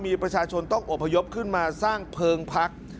มีประชาชนต้องอบพยพขึ้นมาสร้างเพลิงพัก